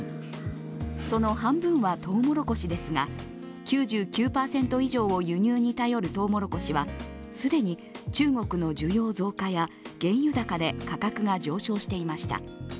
その半分はとうもろこしですが、９９％以上を輸入に頼るとうもろこしは、既に中国の需要増加や原油高で価格が上昇していました。